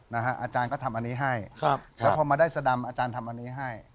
อาจารย์ก็ทำอันนี้ให้ครับแล้วพอมาได้สดำอาจารย์ทำอันนี้ให้